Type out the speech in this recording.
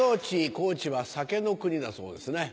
高知は酒の国だそうですね。